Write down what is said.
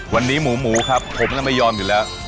วันนี้หมูหมูครับผมไม่ยอมอยู่แล้ว